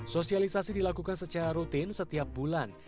sosialisasi dilakukan secara rutin setiap bulan